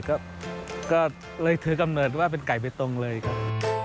ก็เลยถือกำเนิดว่าเป็นไก่ไปตรงเลยครับ